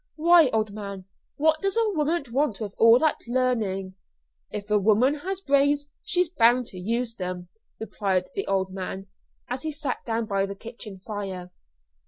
Why, old man, what does a woman want with all that learning?" "If a woman has brains she's bound to use them," replied the old man, as he sat down by the kitchen fire.